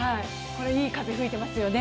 いい風、吹いてますよね。